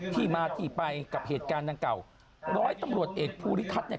ที่มาที่ไปกับเหตุการณ์ดังกล่าวร้อยตำรวจเอกภูริทัศน์เนี่ย